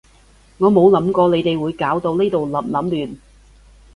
我冇諗過你哋會搞到呢度笠笠亂